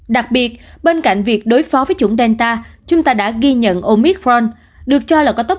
đặc biệt bên cạnh việc đối phó với chủng delta chúng ta đã ghi nhận omithron được cho là có tốc